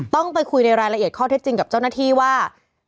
ต้องไปคุยในรายละเอียดข้อเท็จจริงกับเจ้าหน้าที่ว่า